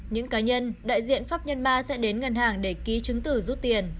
những cá nhân đại diện pháp nhân ba sẽ đến ngân hàng để ký chứng tử rút tiền